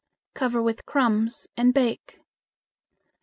Cover with crumbs and bake.